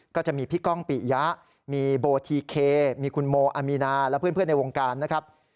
ก็จะมีพี่ก้องปิยะมีโบทีเคมีคุณโมอามีนาและเพื่อนในวงการนะครับ